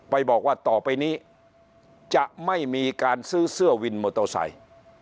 บอกว่าต่อไปนี้จะไม่มีการซื้อเสื้อวินมอเตอร์ไซค์